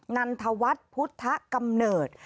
นันทวัฒน์พุทธกำเนิด